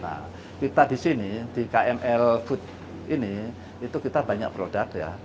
nah kita di sini di kml food ini itu kita banyak produk ya